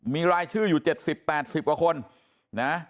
มีรายชื่ออยู่๗๐๘๐กว่าคนนะ